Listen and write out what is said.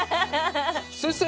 先生